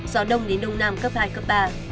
gió đông đến đông nam cấp hai cấp ba